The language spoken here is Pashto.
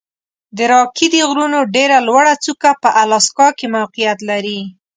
د راکي د غرونو ډېره لوړه څوکه په الاسکا کې موقعیت لري.